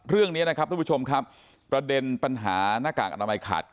เรื่องนี้นะครับท่านผู้ชมครับประเด็นปัญหาหน้ากากออรมไลน์ขาดแคลน